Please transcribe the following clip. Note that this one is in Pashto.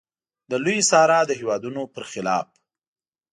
د لویې صحرا د هېوادونو پر خلاف.